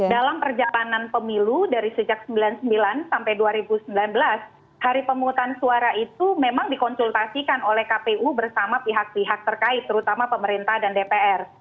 dalam perjalanan pemilu dari sejak seribu sembilan ratus sembilan puluh sembilan sampai dua ribu sembilan belas hari pemungutan suara itu memang dikonsultasikan oleh kpu bersama pihak pihak terkait terutama pemerintah dan dpr